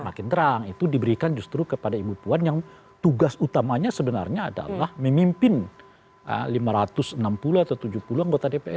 makin terang itu diberikan justru kepada ibu puan yang tugas utamanya sebenarnya adalah memimpin lima ratus enam puluh atau tujuh puluh anggota dpr